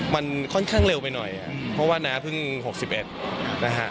มันค่อนข้างเร็วไปหน่อยเพราะว่าน้าเพิ่ง๖๑นะฮะ